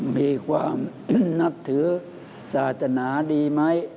มีความนับถือศาสนาดีไหม